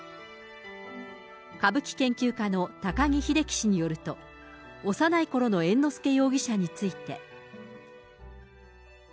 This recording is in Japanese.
歌舞伎研究家の高木秀樹氏によると、幼い頃の猿之助容疑者について。